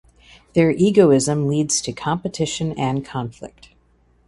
Their egoism leads to competition and conflict.